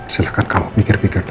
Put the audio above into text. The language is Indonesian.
silahkan kamu pikir pikir dulu